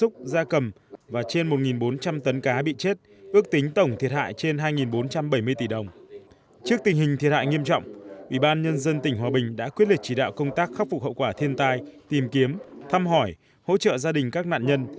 tập trung mọi nguồn lực khắc phục hậu quả thiên tai tìm kiếm thăm hỏi hỗ trợ gia đình các nạn nhân